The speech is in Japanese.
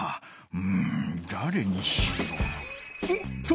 うんだれにしよう？